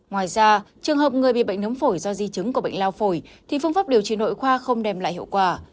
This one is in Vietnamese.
ngoài ra trường hợp người bị bệnh nấm phổi do di chứng của bệnh lao phổi thì phương pháp điều trị nội khoa không đem lại hiệu quả